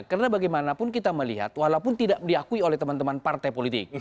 karena bagaimanapun kita melihat walaupun tidak diakui oleh teman teman partai politik